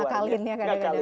ngakalin ya kadang kadang